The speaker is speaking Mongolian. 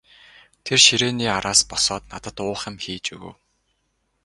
Тэр ширээний араас босоод надад уух юм хийж өгөв.